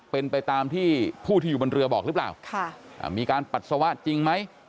เป็นไปตามที่ผู้ที่อยู่บนเรือบอกหรือเปล่ามีการปัสสาวะจริงไหม